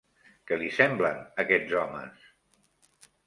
Què li semblen aquests homes?